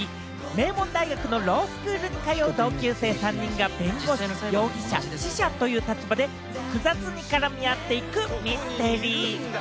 名門大学のロースクールに通う同級生３人が、弁護士、容疑者、死者という立場で複雑に絡み合っていくミステリー。